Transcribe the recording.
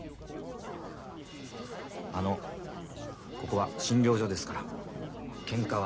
あのここは診療所ですからけんかは。